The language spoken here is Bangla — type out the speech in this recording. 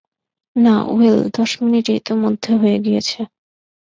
না -ওয়েল, দশ মিনিট ইতোমধ্যে হয়ে গিয়েছে।